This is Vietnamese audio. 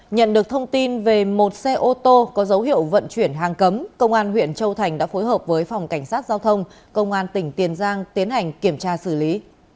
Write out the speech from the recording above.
nhận được thông tin về một xe ô tô có dấu hiệu vận chuyển hàng cấm công an huyện châu thành đã phối hợp với phòng cảnh sát giao thông công an tỉnh tiền giang tiến hành kiểm tra xử lý